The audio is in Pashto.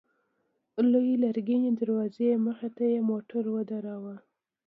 لويې لرګينې دروازې مخته يې موټر ودراوه.